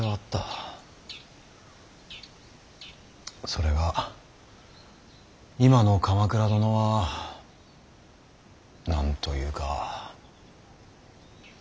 それが今の鎌倉殿は何と言うか。